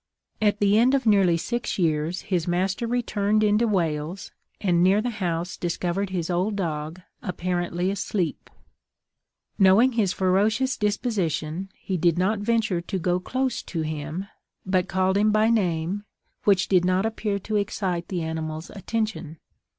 At the end of nearly six years his master returned into Wales, and near the house discovered his old dog, apparently asleep. Knowing his ferocious disposition, he did not venture to go close to him, but called him by name, which did not appear to excite the animal's attention.